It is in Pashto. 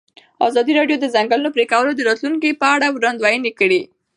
ازادي راډیو د د ځنګلونو پرېکول د راتلونکې په اړه وړاندوینې کړې.